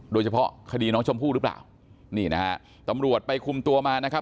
โดยเฉพาะคดีน้องชมพู่หรือเปล่านี่นะฮะตำรวจไปคุมตัวมานะครับ